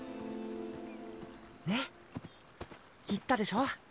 ねっ言ったでしょ？